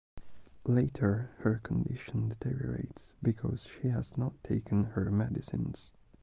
Later her condition deteriorates because she has not taken her medicines.